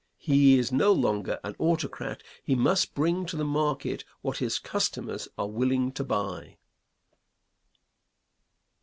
He is no longer an autocrat; he must bring to the market what his customers are willing to buy.